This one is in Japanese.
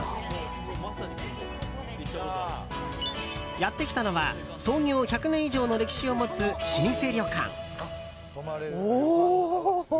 やってきたのは創業１００年以上の歴史を持つ老舗旅館。